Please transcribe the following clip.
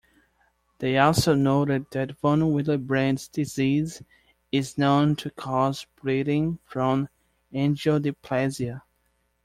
They also noted that von Willebrand's disease is known to cause bleeding from angiodysplasia.